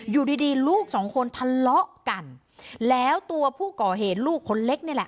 อยู่ดีดีลูกสองคนทะเลาะกันแล้วตัวผู้ก่อเหตุลูกคนเล็กนี่แหละ